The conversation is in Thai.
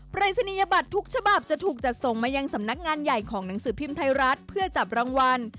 ปริศนียบัตรทุกฉบับจะถูกจัดส่งมายังสำนักงานใหญ่ของหนังสือพิมพ์ไทยรัฐเพื่อจับรางวัล